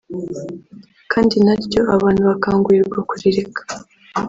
kandi naryo abantu bakangurirwa kurireka